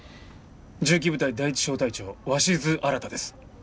銃器部隊第一小隊長鷲頭新です。